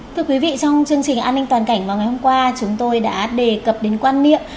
thưa quý vị trong chương trình an ninh toàn cảnh vào ngày hôm qua chúng tôi đã đề cập đến quan niệm